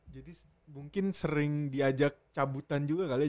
jadi mungkin sering diajak cabutan juga kali ya